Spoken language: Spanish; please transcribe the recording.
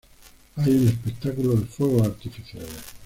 Hay un espectáculo de fuegos artificiales.